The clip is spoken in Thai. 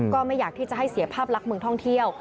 ก็ไม่อยากที่จะให้เสียภาพลักษณ์เมืองท่องเที่ยว